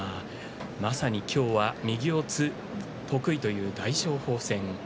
まさに、今日は右四つ得意という大翔鵬戦。